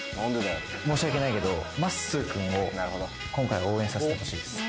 申し訳ないけど、まっすーくんを今回、応援させてほしいです。